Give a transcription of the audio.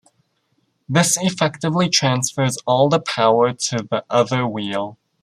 This effectively transfers all the power to the other wheel.